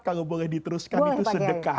kalau boleh diteruskan itu sedekah